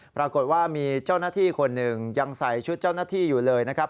ปรากฏว่ามีเจ้าหน้าที่คนหนึ่งยังใส่ชุดเจ้าหน้าที่อยู่เลยนะครับ